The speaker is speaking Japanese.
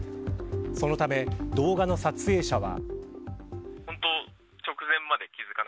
そのため動画の撮影者は。